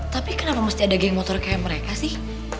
tapi kenapa mesti ada geng motor kayak mereka sih